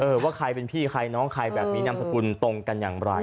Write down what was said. ว่าใครเป็นพี่ใครน้องใครแบบนี้นามสกุลตรงกันอย่างไร